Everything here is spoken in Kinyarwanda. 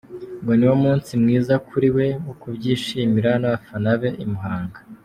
Ngo niwo munsi mwiza kuri we wo kubyishimira n’abafana be i Muhanga.